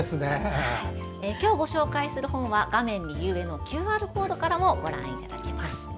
今日ご紹介する本は画面右上のＱＲコードからもご覧いただけます。